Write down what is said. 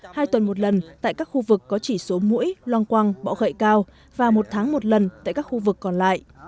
hai tuần một lần tại các khu vực có chỉ số mũi loang quang bọ gậy cao và một tháng một lần tại các khu vực còn lại